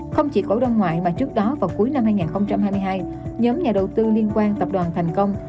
không chỉ cổ đoàn ngoại mà trước đó vào cuối năm hai nghìn hai mươi hai nhóm nhà đầu tư liên quan tập đoàn thành công